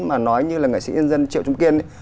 mà nói như là nghệ sĩ nhân dân triệu trung kiên